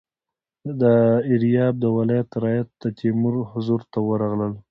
د ایریاب د ولایت رعیت د تیمور حضور ته ورغلل.